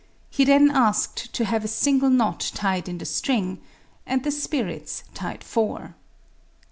He then asked to have a single knot tied in the string and the spirits tied four.